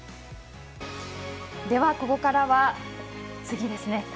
ここからは、次ですね。